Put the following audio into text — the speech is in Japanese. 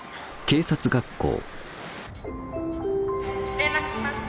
連絡します。